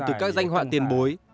từ các danh họa tiền bối